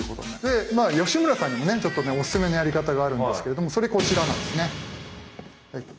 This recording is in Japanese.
でまあ吉村さんにもねちょっとねおすすめのやり方があるんですけれどもそれこちらなんですね。